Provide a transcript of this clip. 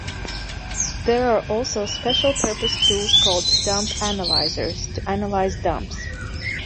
There are also special-purpose tools called dump analyzers to analyze dumps.